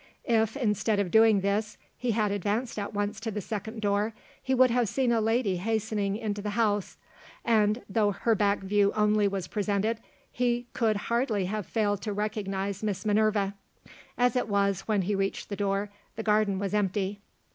If, instead of doing this, he had advanced at once to the second door, he would have seen a lady hastening into the house; and, though her back view only was presented, he could hardly have failed to recognize Miss Minerva. As it was, when he reached the door, the garden was empty.